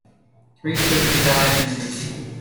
Three children died in infancy.